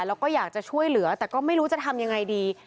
แล้วก็อยากจะช่วยเหลือแต่ก็ไม่รู้จะทำยังไงดี